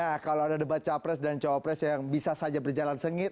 nah kalau ada debat capres dan cawapres yang bisa saja berjalan sengit